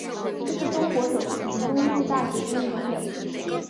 这是中国首次举行冬季大学生运动会。